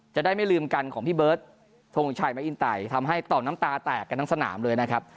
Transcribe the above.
จะได้ไม่ลืมกันของพี่เบิร์ตทงชัยมะอินไตทำให้ตอบน้ำตาแตกกันทั้งสนามเลยนะครับ